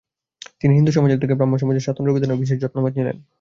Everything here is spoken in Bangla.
তিনি হিন্দুসমাজের থেকে ব্রাহ্মসমাজের স্বাতন্ত্রবিধানেও বিশেষ যত্নবান ছিলেন।